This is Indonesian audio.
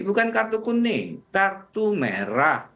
bukan kartu kuning kartu merah